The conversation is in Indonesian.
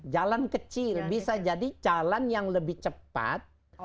jalan kecil bisa jadi jalan yang lebih cepat